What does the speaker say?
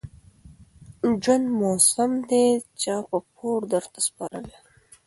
ژوند موسم دى چا په پور درته سپارلى